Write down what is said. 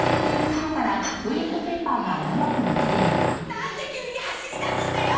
なんで急に走りだすんだよ！